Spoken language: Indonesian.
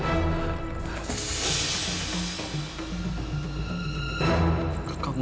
aku bisa menemukanmu